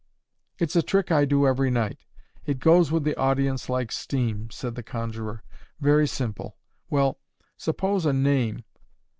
"It's a trick I do every night. It goes with the audience like steam," said the conjurer. "Very simple. Well, suppose a name.